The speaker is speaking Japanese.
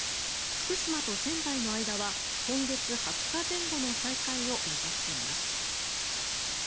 福島と仙台の間は今月２０日前後の再開を目指しています。